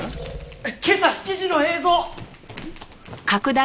今朝７時の映像！